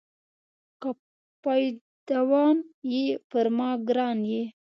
که پایدوان یې پر ما ګران یې.